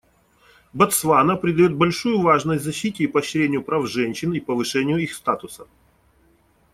Ботсвана придает большую важность защите и поощрению прав женщин и повышению их статуса.